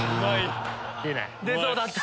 出そうだった。